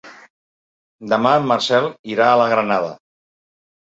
Demà en Marcel irà a la Granada.